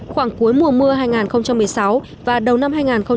khoảng cuối mùa mưa hai nghìn một mươi sáu và đầu năm hai nghìn một mươi tám